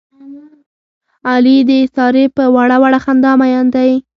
علي د سارې په وړه وړه خندا مین دی.